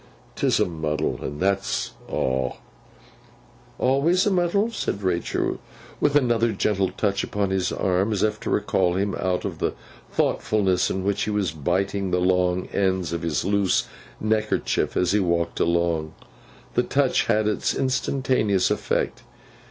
'Tis a muddle, and that's aw.' 'Always a muddle?' said Rachael, with another gentle touch upon his arm, as if to recall him out of the thoughtfulness, in which he was biting the long ends of his loose neckerchief as he walked along. The touch had its instantaneous effect.